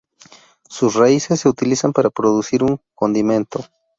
Sus raíces se utilizan para producir un condimento.